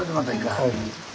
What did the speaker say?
はい。